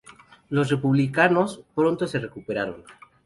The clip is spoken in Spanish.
Los republicanos pronto se recuperaron.